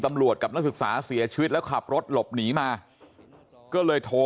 กับนักศึกษาเสียชีวิตแล้วขับรถหลบหนีมาก็เลยโทร